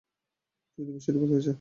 তৃতীয় বিষয়টি বাকি আছে।